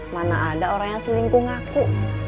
mana ada orang yang selingkuh ngaku